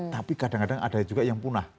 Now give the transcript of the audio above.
tapi kadang kadang ada juga yang punah